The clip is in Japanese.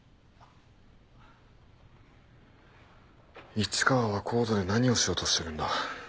市川はＣＯＤＥで何をしようとしてるんだ？